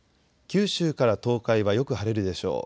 九州から東海はよく晴れるでしょう。